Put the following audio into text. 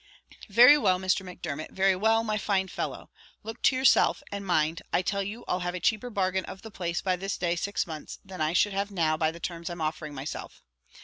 "Very well, Mr. Macdermot; very well, my fine fellow; look to yourself, and mind, I tell you I'll have a cheaper bargain of the place by this day six months, than I should have now by the terms I'm offering myself."